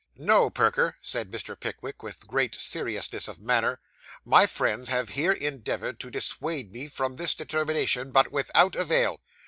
'No, Perker,' said Mr. Pickwick, with great seriousness of manner, 'my friends here have endeavoured to dissuade me from this determination, but without avail.